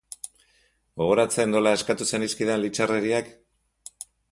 Gogoratzen nola eskatu zenizkidan litxarreriak?